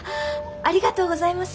ありがとうございます。